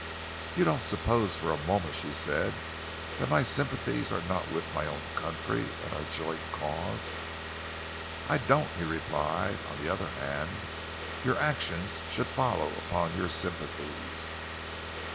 "You don't suppose for a moment," she said, "that my sympathies are not with my own country and our joint cause?" "I don't," he replied. "On the other hand, your actions should follow upon your sympathies.